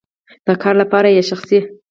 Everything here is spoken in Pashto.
د کار لپاره یا شخصی؟